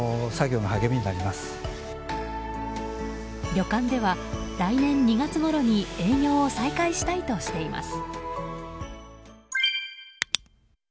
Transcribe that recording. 旅館では、来年２月ごろに営業を再開したいとしています。